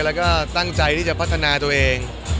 แล้วก็ตั้งใจที่จะพัฒนาตัวเอง